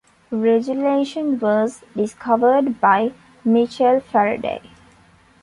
Regelation was discovered by Michael Faraday.